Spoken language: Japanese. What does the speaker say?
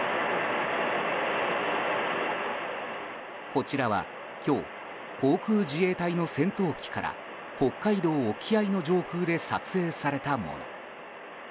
こちらは今日航空自衛隊の戦闘機から北海道沖合の上空で撮影されたもの。